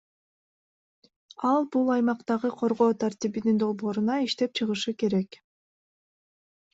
Ал бул аймактарды коргоо тартибинин долбоорун иштеп чыгышы керек.